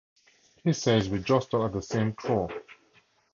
He says we jostle at the same trough.